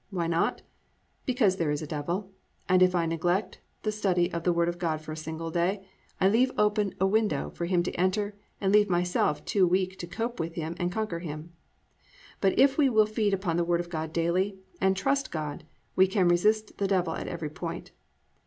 Why not? Because there is a Devil; and, if I neglect the study of the Word of God for a single day, I leave a window open for him to enter and leave myself too weak to cope with him and conquer him. But if we will feed upon the Word of God daily, and trust in God, we can resist the devil at every point.